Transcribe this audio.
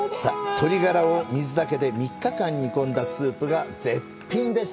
とりがらを水だけで３日間煮込んだスープが絶品なんです。